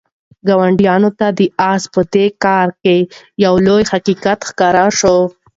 ګاونډیانو ته د آس په دې کار کې یو لوی حقیقت ښکاره شو.